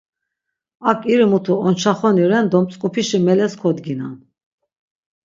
Ak iri mutu onçaxoni ren do mtzk̆upişi meles kodginan.